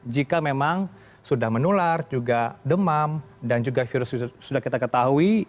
jika memang sudah menular juga demam dan juga virus sudah kita ketahui